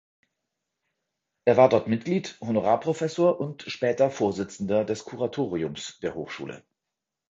Er war dort Mitglied, Honorarprofessor und später Vorsitzender des Kuratoriums der Hochschule.